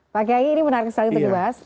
pak kiai ini menarik sekali terdibahas